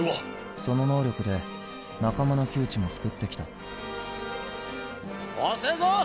その能力で仲間の窮地も救ってきたおせえぞ！